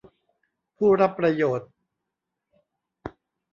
ผู้รับประโยชน์